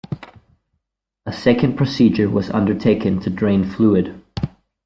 A second procedure was undertaken to drain fluid.